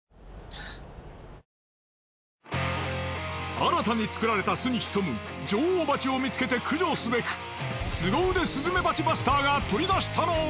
新たに作られた巣に潜む女王蜂を見つけて駆除すべくスゴ腕スズメバチバスターが取り出したのは。